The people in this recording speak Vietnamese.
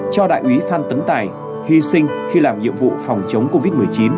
cho đại úy phan tấn tài hy sinh khi làm nhiệm vụ phòng chống covid một mươi chín